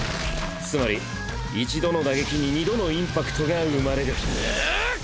つまり一度の打撃に二度のインパクトが生まれるんんっ！